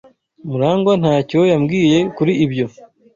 Murangwa ntacyo yambwiye kuri ibyo.